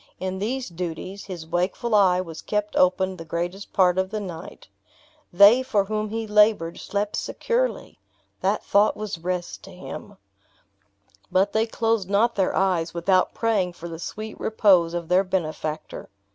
In these duties, his wakeful eye was kept open the greatest part of the night. They for whom he labored slept securely! That thought was rest to him. But they closed not their eyes without praying for the sweet repose of their benefactor.